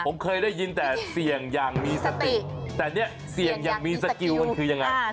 ผมเคยได้ยินแต่เสี่ยงอย่างมีสติแต่เนี่ยเสี่ยงอย่างมีสกิลมันคือยังไง